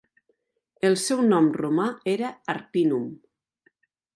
El seu nom romà era Arpinum.